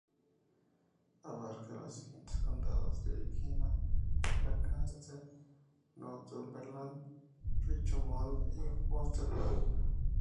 Abarca los siguientes condados de Virginia: Lancaster, Northumberland, Richmond y Westmoreland.